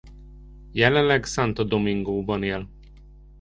Jelenleg Santo Domingóban él.